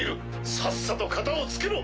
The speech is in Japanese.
さっさとカタをつけろ！